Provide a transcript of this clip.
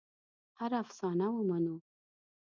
هره افسانه ومنو.